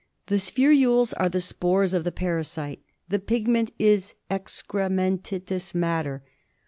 The spherules are the spores of the parasite ; the pigment is excrementitious matter.